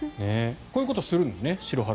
こういうことするんだね